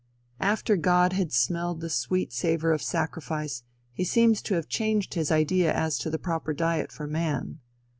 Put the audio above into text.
After God had smelled the sweet savor of sacrifice, he seems to have changed his idea as to the proper diet for man.